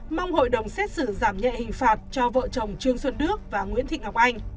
mong hội đồng xét xử giảm nhẹ hình phạt cho vợ chồng trương xuân đức và nguyễn thị ngọc anh